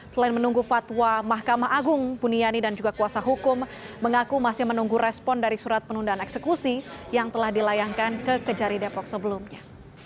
selain menunggu fatwa mahkamah agung buniani dan juga kuasa hukum mengaku masih menunggu respon dari surat penundaan eksekusi yang telah dilayangkan ke kejari depok sebelumnya